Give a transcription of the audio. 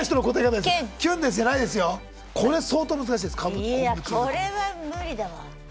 いやこれは無理だわ。